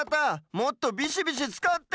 もっとビシビシつかって！